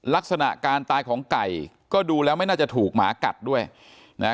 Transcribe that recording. ลักษณะการตายของไก่ก็ดูแล้วไม่น่าจะถูกหมากัดด้วยนะฮะ